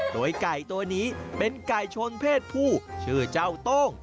โดยไก่ตัวนี้เป็นไก่ชนเพศผู้ชื่อเจ้าโต้ง